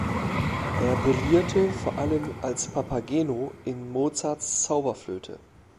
Er brillierte vor allem als „Papageno“ in Mozarts "Zauberflöte".